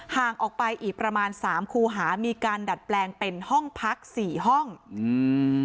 ห่างออกไปอีกประมาณสามคูหามีการดัดแปลงเป็นห้องพักสี่ห้องอืม